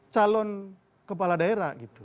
calon kepala daerah